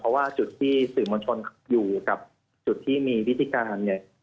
เพราะว่าจุดที่สื่อมวลชนอยู่กับจุดที่มีวิธีการเนี่ย